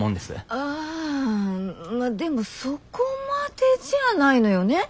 あまぁでもそこまでじゃないのよね？